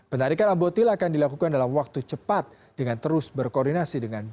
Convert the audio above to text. penarikan albutil akan dilakukan dalam waktu cepat dengan terus berkoordinasi dengan bpom